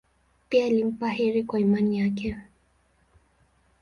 Pia alimpa heri kwa imani yake.